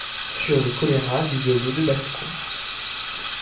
Sur le choléra des oiseaux de basse-cour.